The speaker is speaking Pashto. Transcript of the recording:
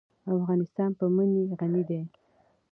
افغانستان په منی غني دی.